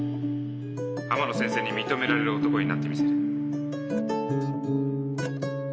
天野先生に認められる男になってみせる。